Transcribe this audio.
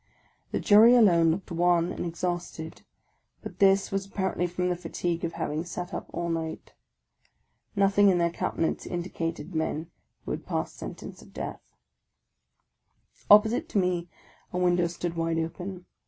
The Jury alone looked wan and exhausted, but this was ap parently from the fatigue of having sat up all night. Noth ing in their countenances indicated men who would pass sentence of death. Opposite to me a window stood wide open.